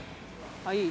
あっいい。